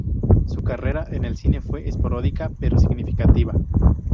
Su carrera en el cine fue esporádica pero significativa.